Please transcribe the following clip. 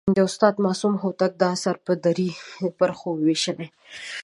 د استاد معصوم هوتک دا اثر پر درې برخو ویشلی.